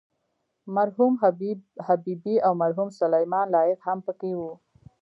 مرحوم حبیبي او مرحوم سلیمان لایق هم په کې وو.